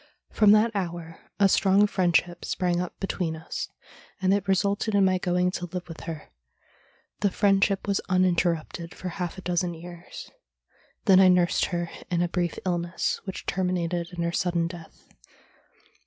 From that hour a strong friendship sprang up between us, and it resulted in my going to live with her. The friendship was uninter rupted for half a dozen years. Then I nursed her in a brief illness, which terminated in her sudden death.